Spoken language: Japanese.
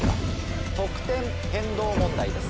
得点変動問題です。